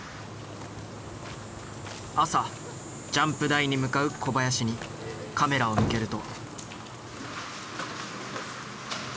朝ジャンプ台に向かう小林にカメラを向けると。